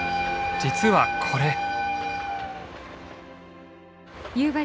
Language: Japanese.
実はこれ。